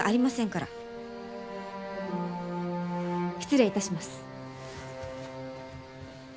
失礼いたします。